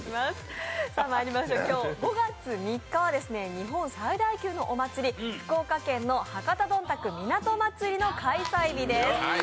今日５月３日は、日本最大級のお祭り福岡県の博多どんたく港まつりの開催日です。